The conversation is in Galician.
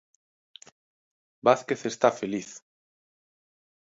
Vázquez está feliz.